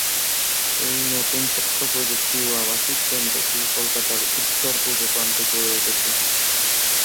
এই নতুন তথ্য প্রযুক্তি এবং আবাসিক কেন্দ্রটি কলকাতার উত্তর-পূর্ব প্রান্তে গড়ে উঠছে।